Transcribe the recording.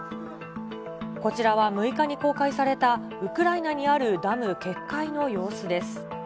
こちらは６日に公開されたウクライナにあるダム決壊の様子です。